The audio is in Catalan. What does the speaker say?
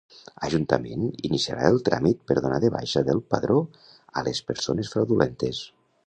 Ajuntament iniciarà el tràmit per donar de baixa del padró a les persones fraudulentes